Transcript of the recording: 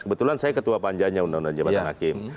kebetulan saya ketua panjanya undang undang jabatan hakim